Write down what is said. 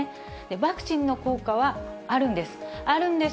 ワクチンの効果はあるんです。